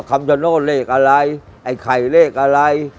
คำชโนธเลขอะไรไอ้ไข่เลขอะไร